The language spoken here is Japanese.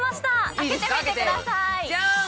開けてみてください。じゃん！